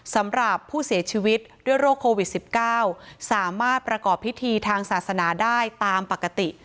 สำหรับผู้เสียชีวิตด้วยโรคโควิด๑๙สามารถประกอบพิธีทางศาสนาได้ตามปกติ